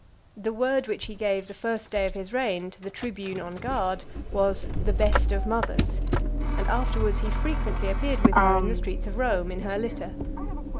The word which he gave the first day of his reign to the tribune on guard, was, "The (343) Best of Mothers," and afterwards he frequently appeared with her in the streets of Rome in her litter.